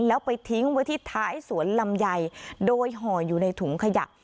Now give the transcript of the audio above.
แล้วไปทิ้งไว้ที่ท้ายสวนลำไยโดยห่ออยู่ในถุงขยะ